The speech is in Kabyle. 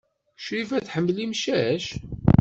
Crifa tḥemmel imcac?